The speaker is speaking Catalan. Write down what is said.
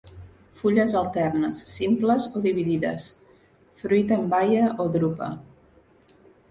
Fulles alternes, simples o dividides. Fruit en baia o drupa.